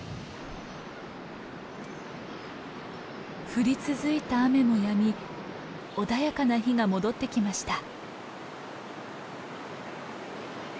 降り続いた雨もやみ穏やかな日が戻ってきました。